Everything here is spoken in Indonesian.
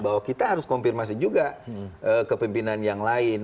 bahwa kita harus konfirmasi juga ke pimpinan yang lain